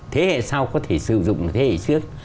thế hệ sau có thể sử dụng thế hệ trước